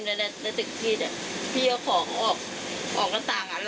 ฝั่งไหนที่เป็นคนยิงมา